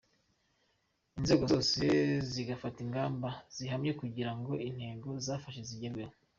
Inzego zose zigafata ingamba zihamye kugira ngo intego zafashwe zigerweho.